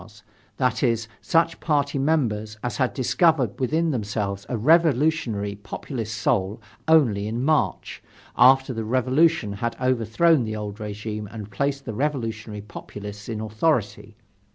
's" that is, such party members as had discovered within themselves a revolutionary populist soul only in March, after the Revolution had overthrown the old regime and placed the revolutionary populists in authority.